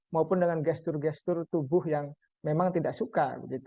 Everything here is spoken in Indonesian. maupun dengan gestur gestur tubuh yang memang tidak suka